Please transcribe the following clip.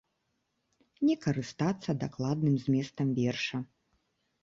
Не карыстацца дакладным зместам верша.